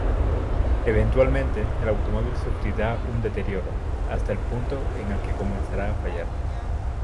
Eventualmente, el automóvil sufrirá un deterioro hasta el punto en que comenzará a fallar.